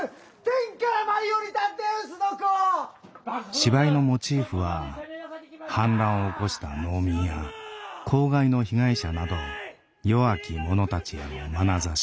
芝居のモチーフは反乱を起こした農民や公害の被害者など弱き者たちへのまなざし。